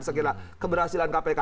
sekitar keberhasilan kpk